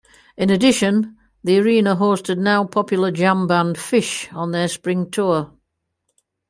In addition, the arena hosted now popular jam band Phish on their spring tour.